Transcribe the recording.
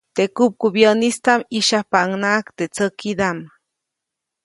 Teʼ kupkubyäʼnistaʼm ʼyĩsyajpaʼunhnaʼajk teʼ tsäkidaʼm.